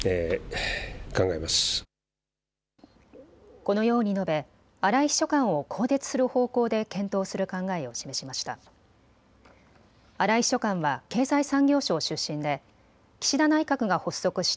このように述べ、荒井秘書官を更迭する方向で検討する考えを示しました。